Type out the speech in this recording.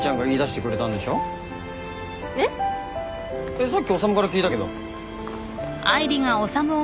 さっき修から聞いたけど。